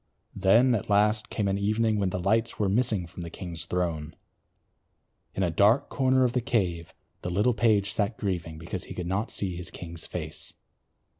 Then at last came an evening when the lights were missing from the king's throne. In a dark corner of the cave the little page sat grieving because he could not see his king's face.